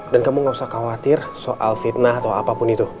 dan kamu gak usah khawatir soal fitnah atau apapun itu